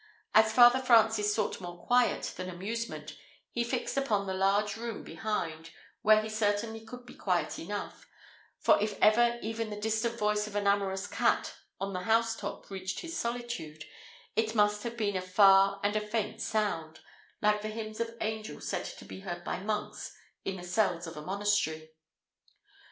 As Father Francis sought more quiet than amusement, he fixed upon the large room behind, where he certainly could be quiet enough, for if ever even the distant voice of an amorous cat on the house top reached his solitude, it must have been a far and a faint sound, like the hymns of angels said to be heard by monks in the cells of a monastery.